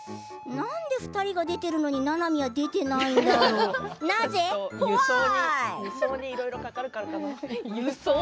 なんで２人が出ているのにななみは出ていないんだろう。